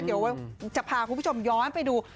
เดี๋ยวจะพาคุณผู้ชมย้อนไปดู